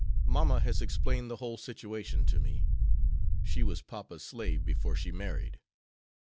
Mamma has explained the whole situation to me. She was papa's slave before she married.